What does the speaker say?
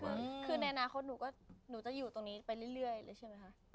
คือในอนาคตหนูจะอยู่ตรงนี้ไปเรื่อยเลยใช่ไหมคะ